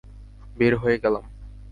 বের হয়ে গেলাম।